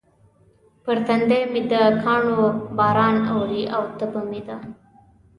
پر تندي مې د کاڼو باران اوري او تبه مې ده.